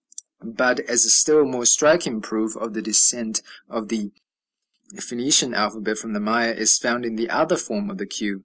But a still more striking proof of the descent of the Phoenician alphabet from the Maya is found in the other form of the q, the Maya cu, which is ###.